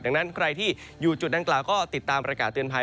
ดังนั้นใครที่อยู่จุดดังกล่าวก็ติดตามประกาศเตือนภัย